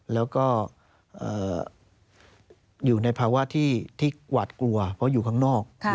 แล้วก็อยู่ในภาวะที่หวาดกลัวเพราะอยู่ข้างนอก